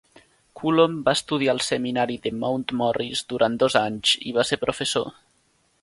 Cullom va estudiar al seminari de Mount Morris durant dos anys i va ser professor.